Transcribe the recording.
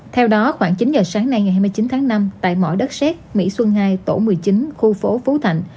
theo đó khoảng chín giờ sáng nay ngày hai mươi chín tháng năm tại mỏ đất xét mỹ xuân hai tổ một mươi chín khu phố phú thạnh